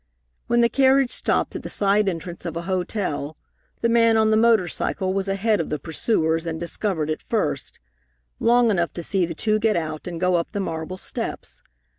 When the carriage stopped at the side entrance of a hotel the man on the motor cycle was ahead of the pursuers and discovered it first, long enough to see the two get out and go up the marble steps.